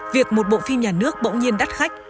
việc một bộ phim nhà nước bỗng nhiên đắt khách